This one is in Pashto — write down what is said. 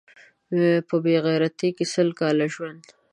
په بې غیرتۍ کې سل کاله ژوند